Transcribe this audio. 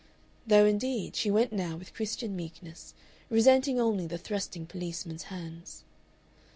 though, indeed, she went now with Christian meekness, resenting only the thrusting policemen's hands.